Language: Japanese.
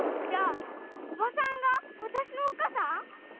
じゃあおばさんがあたしのおっかさん？